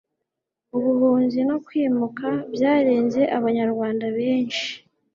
ubuhunzi no kwimuka byaranze abanyarwanda benshi